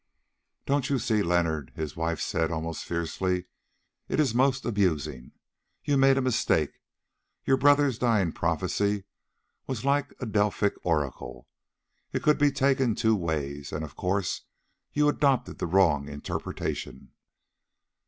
"Don't you see, Leonard," his wife said almost fiercely, "it is most amusing, you made a mistake. Your brother's dying prophecy was like a Delphic oracle—it could be taken two ways, and, of course, you adopted the wrong interpretation.